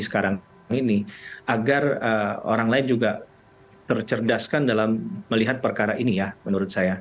sekarang ini agar orang lain juga tercerdaskan dalam melihat perkara ini ya menurut saya